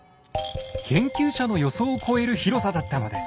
研究者の予想を超える広さだったのです。